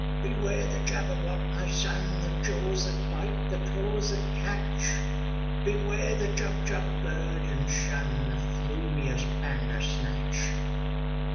''Beware the Jabberwock, my son! The jaws that bite, the claws that catch! Beware the Jubjub bird, and shun The f rumious Bandersnatch